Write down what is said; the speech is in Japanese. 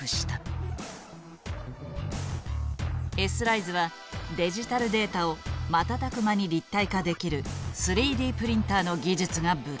Ｓライズはデジタルデータを瞬く間に立体化できる３Ｄプリンターの技術が武器。